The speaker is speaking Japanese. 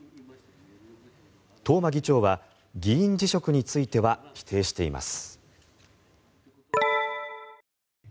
東間議長は議員辞職については否定しています。